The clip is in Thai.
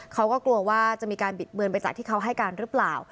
เขาก็กลัวว่าจะมีการบิดเบือนไปจากที่เขาให้การหรือเปล่า